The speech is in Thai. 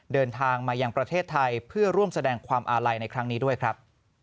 เดินทางมายังประเทศไทยเพื่อร่วมแสดงความอาลัยในครั้งนี้ด้วยครับ